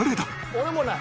俺もない。